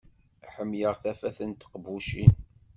Ḥemmleɣ tafat n teqbucin.